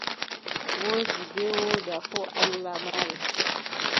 Woodi bee woodaa fuu Allah mari.